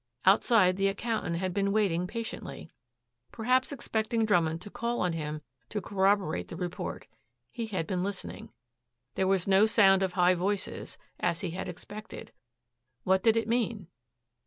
Outside the accountant had been waiting patiently, perhaps expecting Drummond to call on him to corroborate the report. He had been listening. There was no sound of high voices, as he had expected. What did it mean?